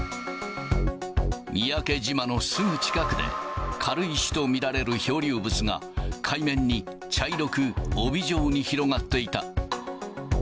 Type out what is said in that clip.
三宅島のすぐ近くで、軽石と見られる漂流物が、海面に茶色く帯状に広がっていた。